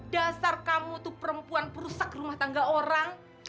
dasar kamu itu perempuan perusak rumah tangga orang